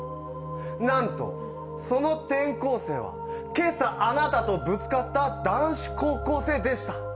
なんとその転校生は今朝あなたとぶつかった男子高校生でした。